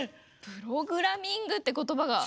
プログラミングってことばが。